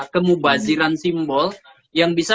kemubaziran simbol yang bisa